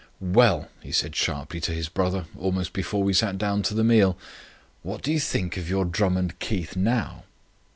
"Well," he said sharply to his brother almost before we sat down to the meal. "What do you think of your Drummond Keith now?"